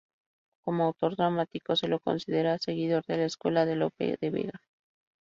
Como autor dramático se lo considera seguidor de la escuela de Lope de Vega.